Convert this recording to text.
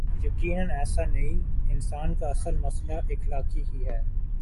یقینا ایسا نہیں انسان کا اصل مسئلہ اخلاقی ہی ہے۔